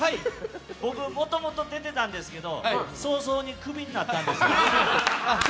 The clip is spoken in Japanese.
僕、もともと出てたんですけど早々にクビになったんです。